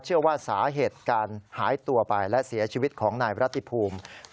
เชื่อว่าสาเหตุการหายตัวไปและเสียชีวิตของนายรัติภูมิ